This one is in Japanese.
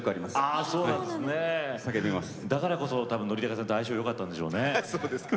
だからこそ憲武さんと相性よかったんでしょうね。